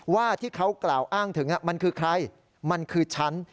ว่าที่เขากล่าวอ้างถึงมันคือใครมันคือฉัน